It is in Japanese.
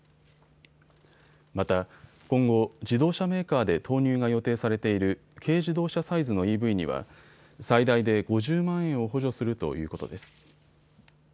また今後、自動車メーカーで投入が予定されている軽自動車サイズのＥＶには最大で５０万円を補助するということです。